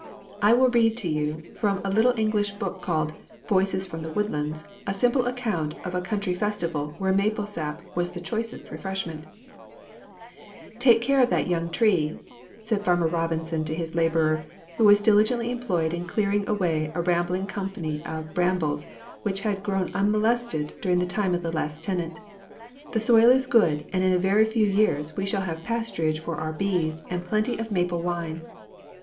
I will read to you from a little English book called Voices from the Woodlands a simple account of a country festival where maple sap was the choicest refreshment: "'"Take care of that young tree," said Farmer Robinson to his laborer, who was diligently employed in clearing away a rambling company of brambles which had grown unmolested during the time of the last tenant; "the soil is good, and in a very few years we shall have pasturage for our bees, and plenty of maple wine."